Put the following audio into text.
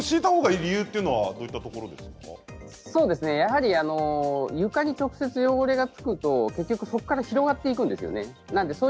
やはり床に直接汚れがつくとそこから広がっていくんですね。